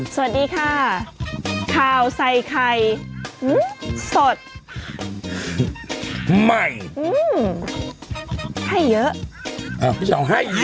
สวัสดีค่ะข่าวใส่ไข่หื้มสดให้เยอะเอ้าไม่ต้องให้เยอะ